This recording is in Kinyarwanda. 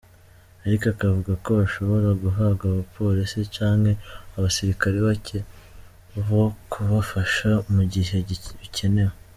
Ariko akavuga ko bashobora guhabwa abapolisi canke abasirikare bake bo kubafasha mu gihe bikenewe.